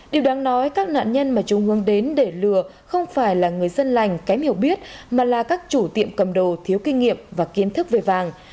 điều đáng nói các nạn nhân mà chúng hướng đến để lừa không phải là người dân lành kém hiểu biết mà là các chủ tiệm cầm đồ thiếu kinh nghiệm và kiến thức về vàng